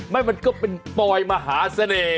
มันก็เป็นปอยมหาเสน่ห์